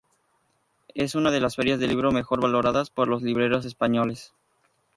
Es una de las ferias del libro mejor valoradas por los libreros españoles.